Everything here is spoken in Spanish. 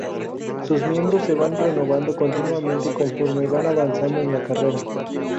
Sus miembros se van renovando continuamente conforme van avanzando en la carrera.